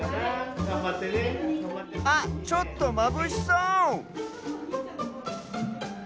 あっちょっとまぶしそう！